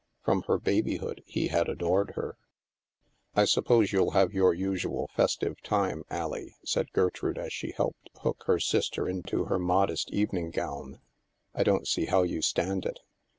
From her babyhood, he had adored her. " I suppose you'll have your usual festive time, AUie," said Gertrude, as she helped hook her sister into her modest evening gown, " I don't see how you stand it."